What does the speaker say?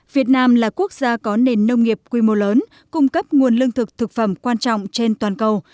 việt nam là quốc gia có nền nông nghiệp quy mô lớn cung cấp nguồn lương thực thực phẩm quan trọng trên toàn cầu